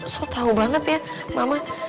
so tau banget ya mama